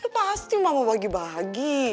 pasti mama bagi bagi